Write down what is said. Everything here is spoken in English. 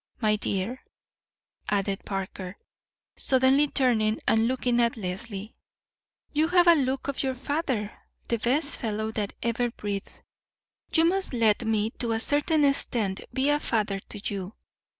My dear," added Parker, suddenly turning and looking at Leslie, "you have a look of your father, the best fellow that ever breathed. You must let me, to a certain extent, be a father to you.